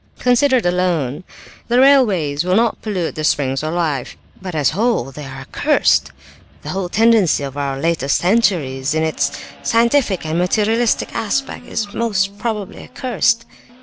"Considered alone, the railways will not pollute the springs of life, but as a whole they are accursed. The whole tendency of our latest centuries, in its scientific and materialistic aspect, is most probably accursed."